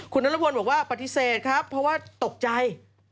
คุณนรพลบอกว่าปฏิเสธครับเพราะว่าตกใจ